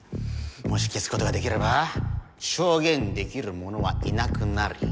もし消すことができれば証言できるものはいなくなり。